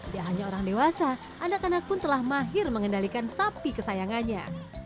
tidak hanya orang dewasa anak anak pun telah mahir mengendalikan sapi kesayangannya